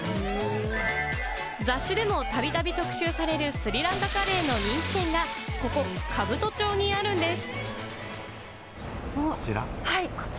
雑誌でもたびたび特集されるスリランカカレーの人気店がここ、兜町にあるんです。